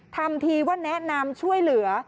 ทำทีว่าแนะนำช่วยเหลือ